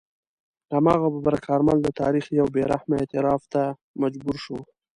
هماغه ببرک کارمل د تاریخ یو بې رحمه اعتراف ته مجبور شو.